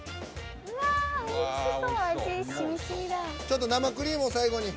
ちょっと生クリームを最後に。